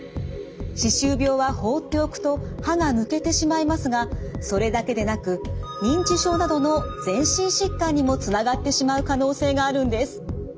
歯周病は放っておくと歯が抜けてしまいますがそれだけでなく認知症などの全身疾患にもつながってしまう可能性があるんです。